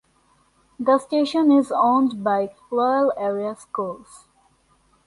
The station is owned by Lowell Area Schools.